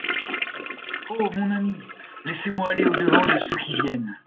Oh ! mon ami, laissez-moi aller au-devant de ceux qui viennent.